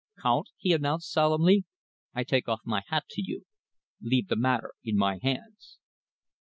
"Count," he announced solemnly, "I take off my hat to you. Leave the matter in my hands."